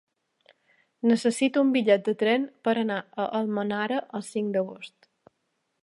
Necessito un bitllet de tren per anar a Almenara el cinc d'agost.